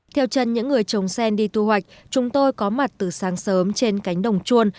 theo chân những người trồng sen đi thu hoạch chúng tôi có mặt từ sáng sớm trên cánh đồng chuôn